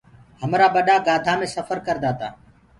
همرآ ٻڏآ گاڌآ مي سڦر ڪردآ تا۔